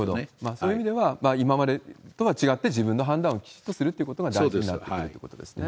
そういう意味では、今までとは違って自分の判断をきちっとするということが大事になってくるということですね。